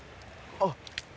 あっ。